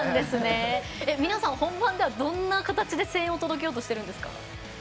皆さん本番ではどんな形で声援を届けようとしているんですか？